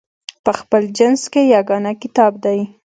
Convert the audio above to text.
په خپل جنس کې یګانه کتاب دی.